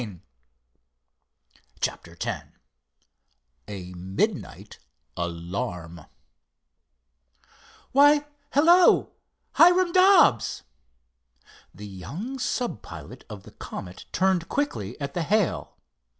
_" CHAPTER X A MIDNIGHT ALARM "Why, hello, Hiram Dobbs!" The young sub pilot of the Comet turned quickly at the hail.